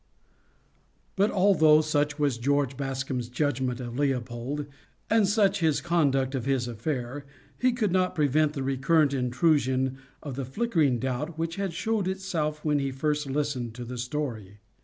But although such was George Bascombe's judgment of Leopold, and such his conduct of his affair, he could not prevent the recurrent intrusion of the flickering doubt which had showed itself when first he listened to the story.